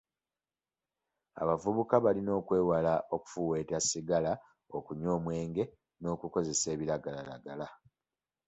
Abavuka balina okwewala okufuuweeta ssigala, okunywa omwenge n'okukozesa ebiragalalagala.